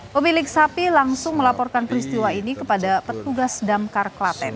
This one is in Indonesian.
pemilik sapi langsung melaporkan peristiwa ini kepada petugas damkar klaten